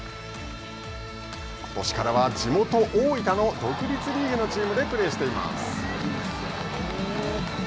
ことしからは、地元大分の独立リーグのチームでプレーしています。